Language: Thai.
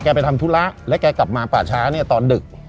ไปทำธุระแล้วแกกลับมาป่าช้าเนี่ยตอนดึก